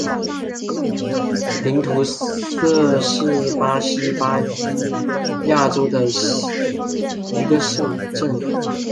森图塞是巴西巴伊亚州的一个市镇。